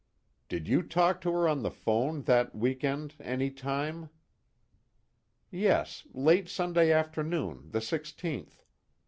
"Did you talk to her on the phone that week end any time?" "Yes, late Sunday afternoon, the 16th.